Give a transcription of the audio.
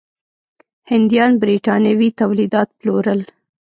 هندیان برېټانوي تولیدات پلورل.